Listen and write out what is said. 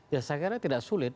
ya saya kira tidak sulit